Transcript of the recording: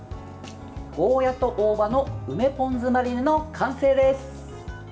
ゴーヤーと大葉の梅ポン酢マリネの完成です。